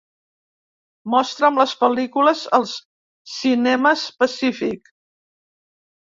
Mostra'm les pel·lícules als cinemes Pacific